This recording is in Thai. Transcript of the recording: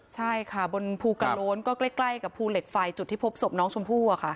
ใช่ค่ะบนภูกระโล้นก็ใกล้กับภูเหล็กไฟจุดที่พบศพน้องชมพู่